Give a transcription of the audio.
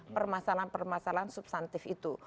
permasalahan permasalahan substantif itu